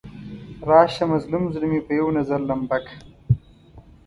راشه مظلوم زړه مې په یو نظر لمبه کړه.